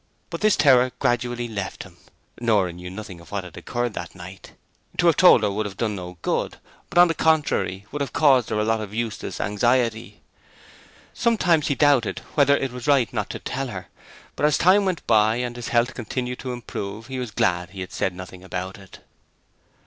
But this terror gradually left him. Nora knew nothing of what occurred that night: to have told her would have done no good, but on the contrary would have caused her a lot of useless anxiety. Sometimes he doubted whether it was right not to tell her, but as time went by and his health continued to improve he was glad he had said nothing about it.